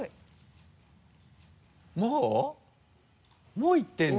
もういってるの？